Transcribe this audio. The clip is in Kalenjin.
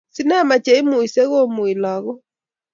Sinema che imuisei komui lagok